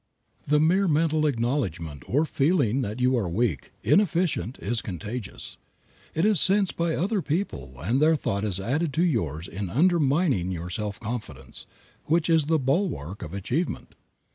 The mere mental acknowledgment or feeling that you are weak, inefficient, is contagious. It is sensed by other people and their thought is added to yours in undermining your self confidence, which is the bulwark of achievement.